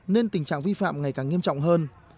nên tình trạng vi phạm ngày càng nghiêm trọng hơn